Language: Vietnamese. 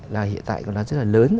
là hiện tại rất là lớn